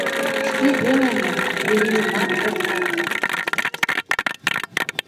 Шке веле мо, Верийымат ок колто...